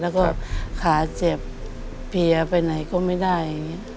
แล้วก็ขาเจ็บเพียไปไหนก็ไม่ได้